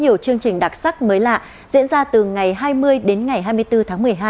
và một số chương trình đặc sắc mới lạ diễn ra từ ngày hai mươi đến ngày hai mươi bốn tháng một mươi hai